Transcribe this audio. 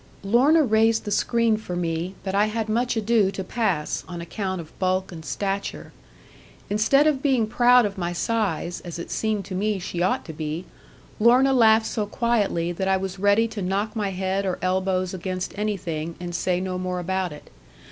Lorna raised the screen for me, but I had much ado to pass, on account of bulk and stature. Instead of being proud of my size (as it seemed to me she ought to be) Lorna laughed so quietly that I was ready to knock my head or elbows against anything, and say no more about it.